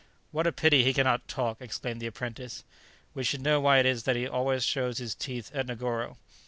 "What a pity he cannot talk!" exclaimed the apprentice; "we should know why it is that he always shows his teeth at Negoro."